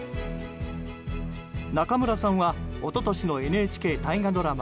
中村さんは一昨日のＮＨＫ大河ドラマ